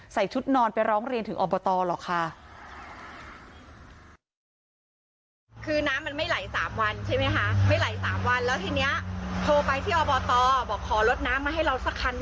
ชุดนอนไปร้องเรียนถึงอบตหรอกค่ะ